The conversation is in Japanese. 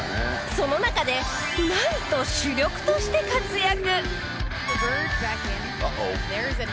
その中でなんと主力として活躍。